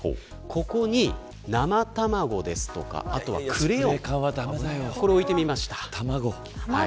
ここに生卵ですとかあとはクレヨンこれを置いてみました。